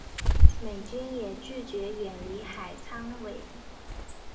美军也拒绝远离海参崴。